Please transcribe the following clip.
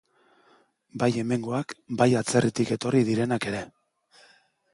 Bai hemengoak, bai atzerritik etorri direnak ere.